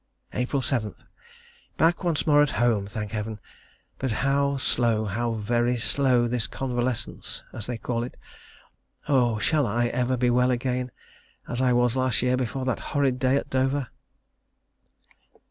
April 7. Back once more at home, thank Heaven! But how slow, how very slow this convalescence, as they call it, is. Oh! shall I ever be well again, as I was last year before that horrid day at Dover!